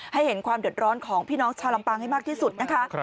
ให้เห็นความเดือดร้อนของพี่น้องชาวลำปางให้มากที่สุดนะคะ